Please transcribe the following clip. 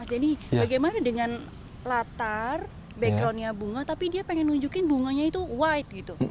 mas denny bagaimana dengan latar background nya bunga tapi dia pengen nunjukin bunganya itu white gitu